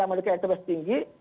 yang memiliki eksternal yang tinggi